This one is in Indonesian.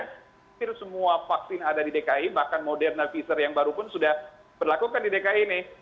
hampir semua vaksin ada di dki bahkan moderna pfizer yang baru pun sudah berlakukan di dki ini